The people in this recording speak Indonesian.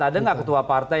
ada tidak ketua partai